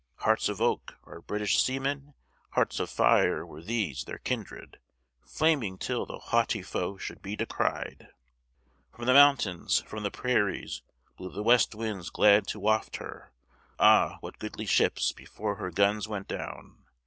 "Hearts of oak" are British seamen? Hearts of fire were these, their kindred, Flaming till the haughty foe should be descried! From the mountains, from the prairies, Blew the west winds glad to waft her; Ah, what goodly ships before her guns went down!